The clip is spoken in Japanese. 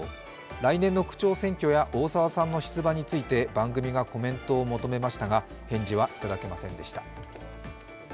来年の区長選挙や大沢さんの出演について番組がコメントを求めましたが返事はいただけませんでした。